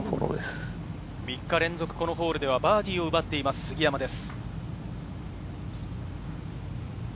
３日連続、このホールではバーディーを奪っています、杉山です。